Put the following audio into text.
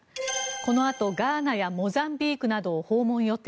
このあとガーナやモザンビークなどを訪問予定。